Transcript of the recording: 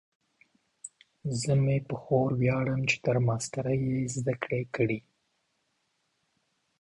زه مې په خور ویاړم چې تر ماسټرۍ یې زده کړې کړي